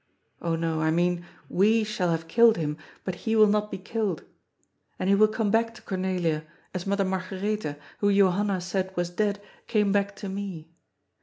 Oh no, I mean we shall have killed him, but he will not be killed. And he will come back to Cornelia, as Mother Margaretha, who Johanna said was dead, came back to me.